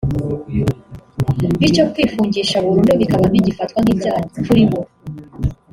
Bityo kwifungisha burundu bikaba bigifatwa nk’icyaha kuribo